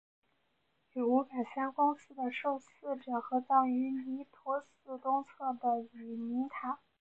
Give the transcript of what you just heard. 与五百三公祠的受祀者都合葬于弥陀寺东侧的义民塔。